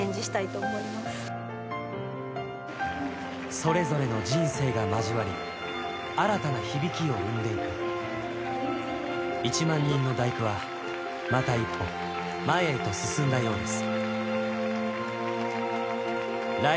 それぞれの人生が交わり新たな響きを生んでいく「１万人の第九」はまた一歩前へと進んだようです